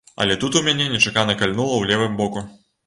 Але тут у мяне нечакана кальнула ў левым боку.